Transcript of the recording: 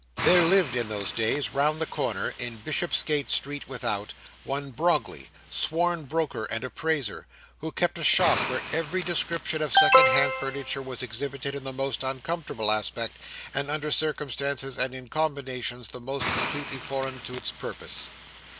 There lived in those days, round the corner—in Bishopsgate Street Without—one Brogley, sworn broker and appraiser, who kept a shop where every description of second hand furniture was exhibited in the most uncomfortable aspect, and under circumstances and in combinations the most completely foreign to its purpose.